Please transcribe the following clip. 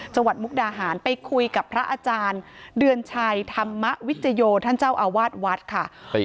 มุกดาหารไปคุยกับพระอาจารย์เดือนชัยธรรมวิจโยท่านเจ้าอาวาสวัดค่ะ